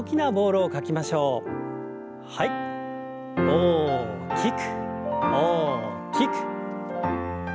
大きく大きく。